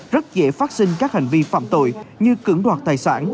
rất dễ phát sinh các hành vi phạm tội như cưỡng đoạt tài sản